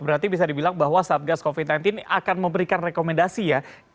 berarti bisa dibilang bahwa satgas covid sembilan belas akan memberikan rekomendasi ya